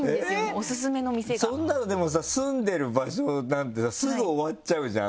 そんなのでもさ住んでる場所なんてさすぐ終わっちゃうじゃん